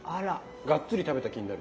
がっつり食べた気になる。